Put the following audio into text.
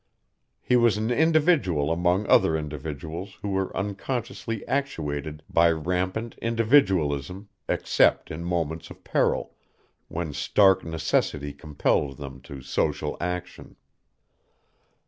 He was an individual among other individuals who were unconsciously actuated by rampant individualism except in moments of peril, when stark necessity compelled them to social action.